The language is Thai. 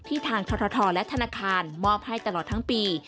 ทางททและธนาคารมอบให้ตลอดทั้งปี